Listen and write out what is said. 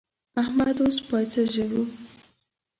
احمد اوس پياڅه ژووي.